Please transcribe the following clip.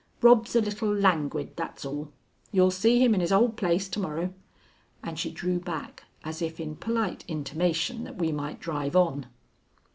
Rob's a little languid, that's all. You'll see him in his old place to morrow." And she drew back as if in polite intimation that we might drive on.